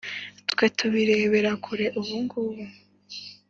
Twe tubirebera kure ubugubu.